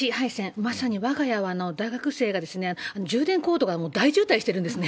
まさにわが家は大学生が、充電コードが大渋滞してるんですね。